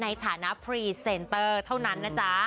ในสถานะบริเวณกันเต้านั้นนะจ๊ะ